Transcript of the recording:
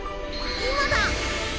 今だ！